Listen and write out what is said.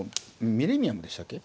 ミレニアムでしたっけ？